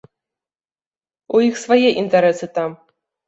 У іх свае інтарэсы там.